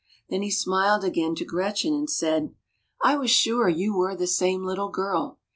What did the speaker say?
Then he smiled again to Gretchen, and said : I Avas sure you Avere the same little girl.